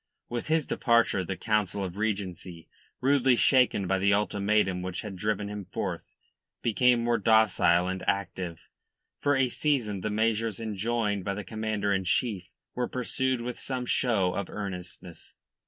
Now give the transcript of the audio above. With his departure the Council of Regency, rudely shaken by the ultimatum which had driven him forth, became more docile and active, and for a season the measures enjoined by the Commander in Chief were pursued with some show of earnestness.